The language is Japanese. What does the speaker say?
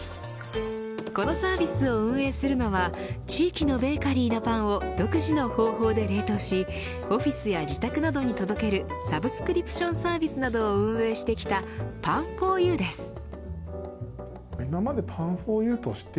このサービスを運営するのは地域のベーカリーのパンを独自の方法で冷凍しオフィスや自宅などに届けるサブスクリプションサービスなどを運営してきたパンフォーユーです。